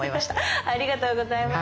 ありがとうございます。